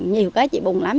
nhiều cái chị bùng lắm